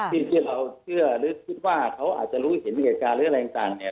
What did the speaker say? ที่เราเชื่อหรือคิดว่าเขาอาจจะรู้เห็นมีเหตุการณ์หรืออะไรต่างเนี่ย